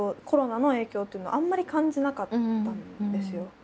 コロナの影響っていうのをあんまり感じなかったんですよ。